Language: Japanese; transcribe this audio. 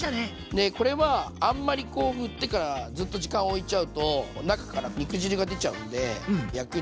でこれはあんまりこうふってからずっと時間おいちゃうと中から肉汁が出ちゃうんで焼く